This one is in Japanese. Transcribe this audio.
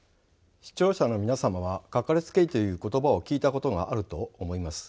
視聴者の皆様は「かかりつけ医」という言葉を聞いたことがあると思います。